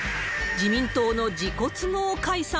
自民党の自己都合解散？